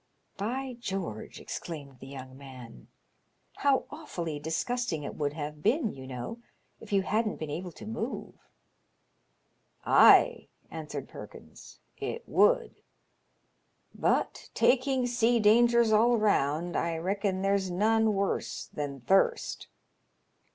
" By George," exclaimed the young man, " how 146 *L0NQ$H0BE3IAirS YABNS. awfully disgusting it would have been, you know, if you hadn't been able to move !*' Ay,'* answered Perkins, it would. But, taking sea dangers all round, I reckon there's none worse than thirst."